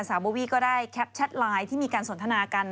โบวี่ก็ได้แคปแชทไลน์ที่มีการสนทนากัน